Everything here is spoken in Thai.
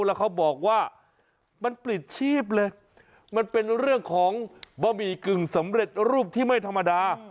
แล้วเขาบอกว่ามันปลิดชีพเลยมันเป็นเรื่องของบะหมี่กึ่งสำเร็จรูปที่ไม่ธรรมดา